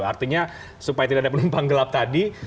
artinya supaya tidak ada penumpang gelap tadi